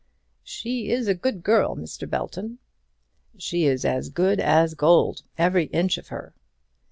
"She is a good girl, Mr. Belton." "She is as good as gold, every inch of her."